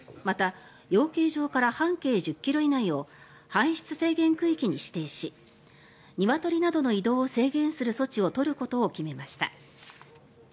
また、養鶏場から半径１０ｋｍ以内を搬出制限区域に指定しニワトリなどの移動を制限する措置を取ることを決めました。